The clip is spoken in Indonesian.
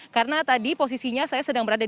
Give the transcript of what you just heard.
karena tadi posisinya saya sedang berada di